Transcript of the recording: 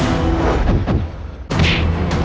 aku akan mengunggurkan ibumu sendiri